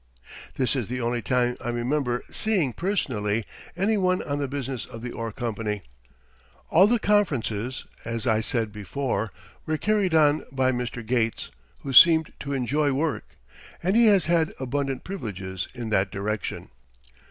This is the only time I remember seeing personally any one on the business of the ore company. All the conferences, as I said before, were carried on by Mr. Gates, who seemed to enjoy work, and he has had abundant privileges in that direction.